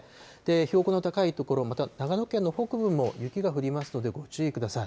標高の高い所、また長野県の北部も雪が降りますので、ご注意ください。